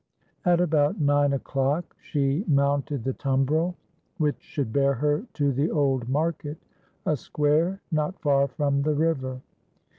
] At about nine o'clock, she mounted the tumbril which should bear her to the Old Market, a square not far from the river.